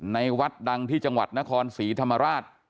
วัดดังที่จังหวัดนครศรีธรรมราช